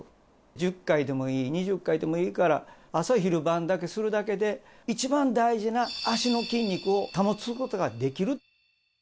１０回でもいい、２０回でもいいから、朝昼晩だけするだけで、一番大事な脚の筋肉を保つことができる。